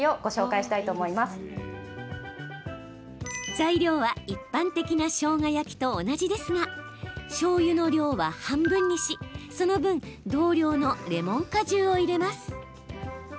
材料は、一般的なしょうが焼きと同じですがしょうゆの量は半分にし、その分同量のレモン果汁を入れます。